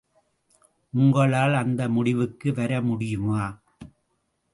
உங்களால் அந்த முடிவுக்கு வர முடியுமா?